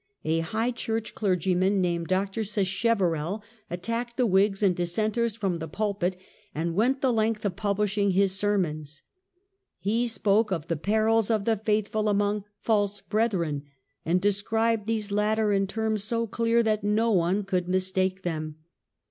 A high church clergyman, named Dr. Sacheverell, attacked the Whigs and Dissenters from the pulpit, and Dr. sacheve went the length of publishing his sermons. ""• He spoke of the perils of the faithful among "false brethren", and described these latter in terms so clear that no one could mistake them.